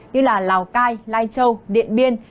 như là lào cai lai châu điện biên